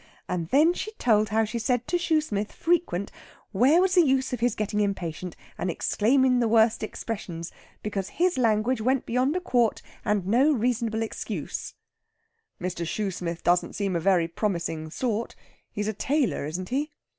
And then she told how she said to Shoosmith frequent, where was the use of his getting impatient, and exclaimin' the worst expressions? Because his language went beyond a quart, and no reasonable excuse." "Mr. Shoosmith doesn't seem a very promising sort? He's a tailor, isn't he?"